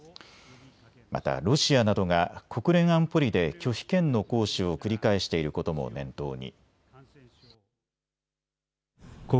またロシアなどが国連安保理で拒否権の行使を繰り返していることも念頭に。